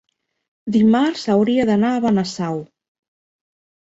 Dimarts hauria d'anar a Benasau.